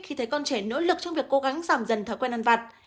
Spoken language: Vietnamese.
khi thấy con trẻ nỗ lực trong việc cố gắng giảm dần thói quen ăn vặt